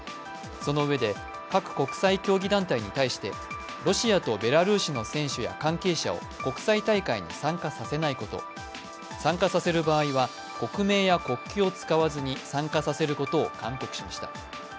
そのうえで、各国際競技団体に対してロシアのベラルーシの選手や関係者を国際大会に参加させないこと、参加させる場合は国名や国旗を使わずに参加させることを勧告しました。